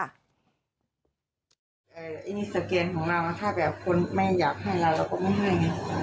อันนี้สแกนของเราถ้าแบบคนไม่อยากให้เราเราก็ไม่ให้ไง